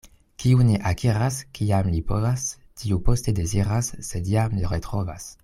Kiu ne akiras, kiam li povas, tiu poste deziras, sed jam ne retrovas.